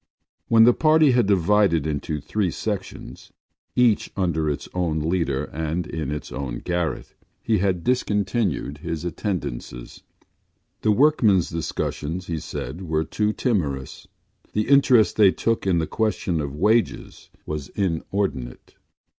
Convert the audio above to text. When the party had divided into three sections, each under its own leader and in its own garret, he had discontinued his attendances. The workmen’s discussions, he said, were too timorous; the interest they took in the question of wages was inordinate.